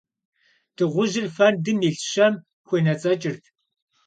Дыгъужьыр фэндым илъ щэм хуенэцӀэкӀырт.